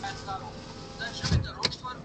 زه مخکې منډه وهلې وه؟!